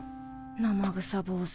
生臭坊主。